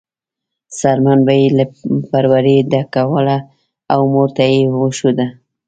څرمن به یې له پروړې ډکوله او مور ته یې وښوده.